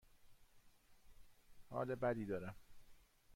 حال بدی دارم.